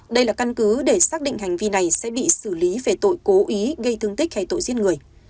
đây là căn cứ để xác định hành vi này sẽ bị xử lý về tội cố ý gây thương tích hay tội giết người